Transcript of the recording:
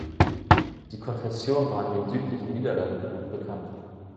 Die Konfession war in den südlichen Niederlanden gut bekannt.